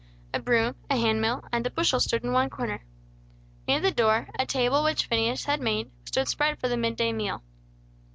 A broom, a handmill, and a bushel stood in one corner. Near the door, a table which Phineas had made, stood spread for the mid day meal.